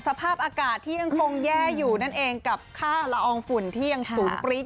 สภาพอากาศที่ยังคงแย่อยู่นั่นเองกับค่าละอองฝุ่นที่ยังสูงปรี๊ด